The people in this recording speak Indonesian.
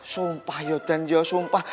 sumpah den ya sumpah